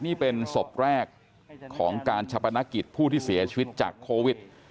นี่เป็นศพแรกของการชะปนกิจผู้ที่เสียชีวิตจากโควิด